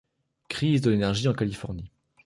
Crise de l'énergie en Californie.